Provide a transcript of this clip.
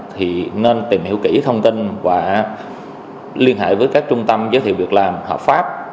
thì nên tìm hiểu kỹ thông tin và liên hệ với các trung tâm giới thiệu việc làm hợp pháp